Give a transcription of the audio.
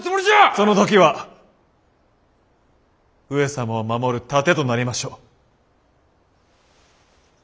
その時は上様を守る盾となりましょう。